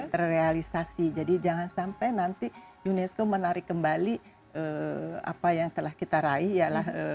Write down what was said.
terrealisasi jadi jangan sampai nanti unesco menarik kembali apa yang telah kita raih yalah